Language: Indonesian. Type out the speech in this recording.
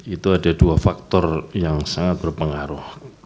itu ada dua faktor yang sangat berpengaruh